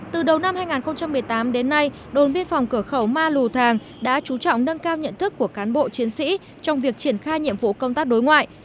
từ đầu năm hai nghìn một mươi tám đến nay đồn biên phòng cửa khẩu ma lù thàng đã chú trọng nâng cao nhận thức của cán bộ chiến sĩ trong việc triển khai nhiệm vụ công tác đối ngoại